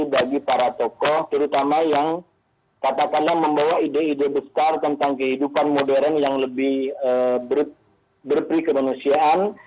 bagi para tokoh terutama yang katakanlah membawa ide ide besar tentang kehidupan modern yang lebih berperi kemanusiaan